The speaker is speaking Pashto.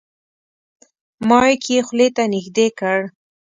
مایک یې خولې ته نږدې کړ.